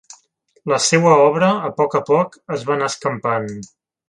La seua obra, a poc a poc, es va anar escampant.